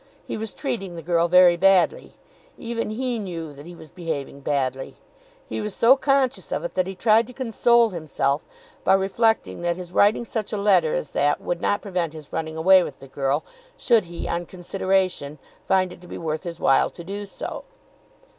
He was treating the girl very badly. Even he knew that he was behaving badly. He was so conscious of it that he tried to console himself by reflecting that his writing such a letter as that would not prevent his running away with the girl, should he, on consideration, find it to be worth his while to do so.